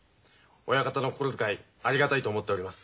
親方の心遣いありがたいと思っております。